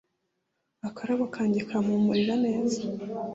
Akarabo kanjye kampumurira neza